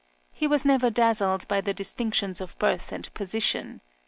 He was never dazzled by the distinctions of birth and position.